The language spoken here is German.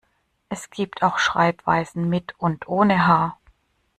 Es gibt auch Schreibweisen mit und ohne H.